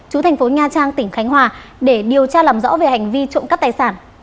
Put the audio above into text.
chú thành phố nha trang tỉnh khánh hòa để điều tra làm rõ về hành vi trộm cắp tài sản